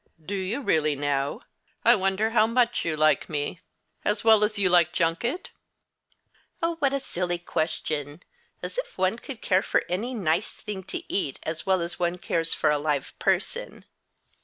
"Do you really, now! I wonder how much you like me. As well as you like junket?" "Oh, what a silly question! As if one could care for any nice thing to eat as well as one cares for a live person."